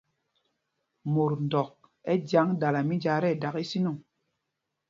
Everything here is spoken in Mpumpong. Mot ndɔk ɛ jyaŋ dala mínjāā ti ɛdak ísinɔŋ.